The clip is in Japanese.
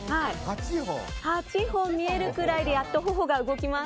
８本見えるくらいでやっと頬が動きます。